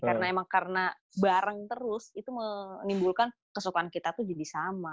karena emang karena bareng terus itu menimbulkan kesukaan kita tuh jadi sama